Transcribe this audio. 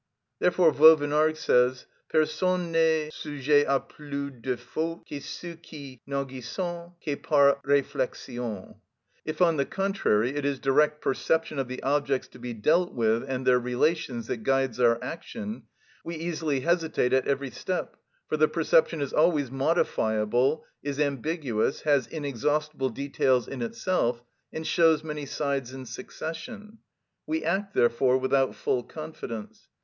Therefore Vauvenargue says: "Personne n'est sujet à plus de fautes, que ceux qui n'agissent que par réflexion." If, on the contrary, it is direct perception of the objects to be dealt with and their relations that guides our action, we easily hesitate at every step, for the perception is always modifiable, is ambiguous, has inexhaustible details in itself, and shows many sides in succession; we act therefore without full confidence.